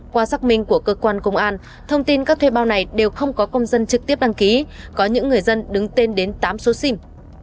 qua xác minh của cơ quan công an thông tin các thuê bao này đều không có công dân trực tiếp đăng ký có những người dân đứng tên đến tám số sim